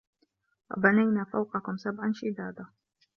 وَبَنَينا فَوقَكُم سَبعًا شِدادًا